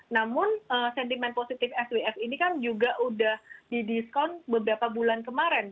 namun sentimen positif swf ini kan juga sudah didiskon beberapa bulan kemarin